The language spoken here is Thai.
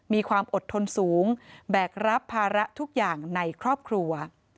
มีความอดทนสูงแบกรับภาระทุกอย่างในครอบครัว